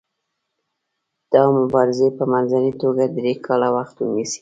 دا مبارزې په منځنۍ توګه درې کاله وخت نیسي.